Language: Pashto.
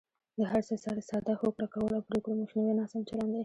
د هر څه سره ساده هوکړه کول او پرېکړو مخنیوی ناسم چلند دی.